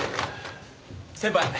先輩。